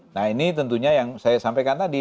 nah ini tentunya yang saya sampaikan tadi